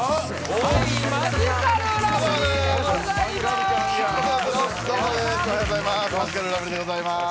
おはようございます